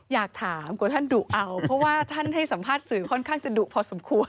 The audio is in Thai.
อยากถามกลัวท่านดุเอาเพราะว่าท่านให้สัมภาษณ์สื่อค่อนข้างจะดุพอสมควร